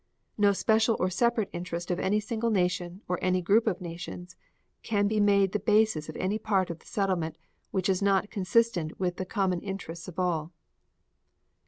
No special or separate interest of any single nation or any group of nations can be made the basis of any part of the settlement which is not consistent with the common interests of all; 3.